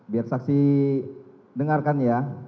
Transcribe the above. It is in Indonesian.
biar saksi dengarkan ya